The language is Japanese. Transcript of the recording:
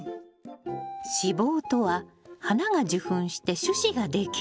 子房とは花が受粉して種子ができる部分なの。